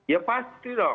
ya pasti dong